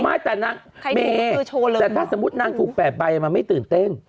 ไม่แต่นางเมย์แต่ถ้าสมมุตินางถูก๘ใบมันไม่ตื่นเต้น